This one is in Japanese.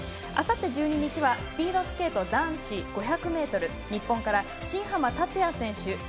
あさって１２日はスピードスケート男子５００ｍ日本から新濱立也選手